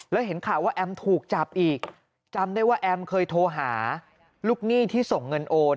แล้วเห็นข่าวว่าแอมถูกจับอีกจำได้ว่าแอมเคยโทรหาลูกหนี้ที่ส่งเงินโอน